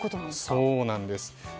そうなんです。